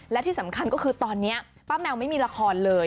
และที่สำคัญก็คือตอนนี้ป้าแมวไม่มีละครเลย